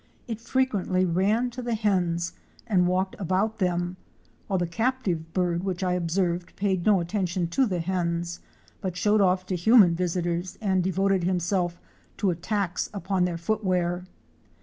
It frequently ran to the hens and walked about them, while the captive bird which I observed paid no attention to the hens, but showed off to human visitors and devoted himself to attacks upon their footwear.